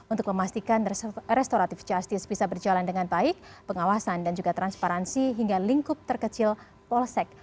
untuk memastikan restoratif justice bisa berjalan dengan baik pengawasan dan juga transparansi hingga lingkup terkecil polsek